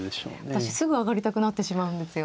私すぐ上がりたくなってしまうんですよ。